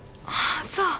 ああそう。